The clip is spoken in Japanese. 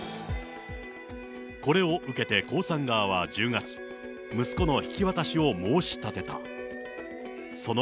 これを受けて江さん側は１０月、息子の引き渡しを申し立てた。